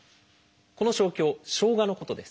この生姜しょうがのことです。